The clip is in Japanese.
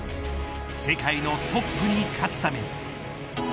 世界のトップに勝つために。